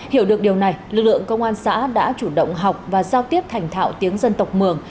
hiểu được điều này lực lượng công an xã đã chủ động học và giao tiếp thành thạo tiếng dân tộc mường